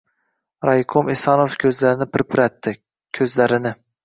Raykom Esonov ko‘zlarini pirpiratdi. Ko‘zlarini